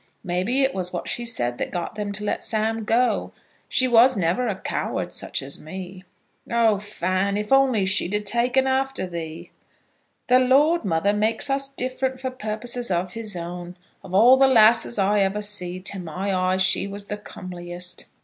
Maybe it was what she said that got them to let Sam go. She was never a coward, such as me." "Oh, Fan, if she'd only a taken after thee!" "The Lord, mother, makes us different for purposes of his own. Of all the lasses I ever see, to my eyes she was the comeliest."